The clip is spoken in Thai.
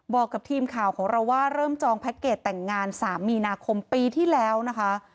บอกกับทีมข่าวของเราว่าเริ่มจองแพ็คเกจแต่งงาน๓มีนาคมปีที่แล้วนะคะ